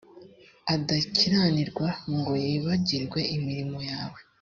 adakiranirwa ngo yibagirwe imirimo yawe